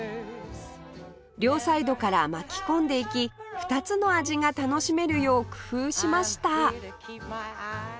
両サイドから巻き込んでいき２つの味が楽しめるよう工夫しました